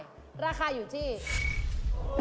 เบ๊กเองก็ยินมา